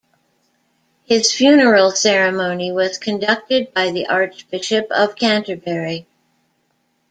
His funeral ceremony was conducted by the Archbishop of Canterbury.